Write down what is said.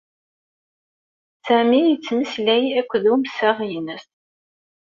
Sami yettmeslay akked umseɣ-ines.